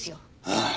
ああ。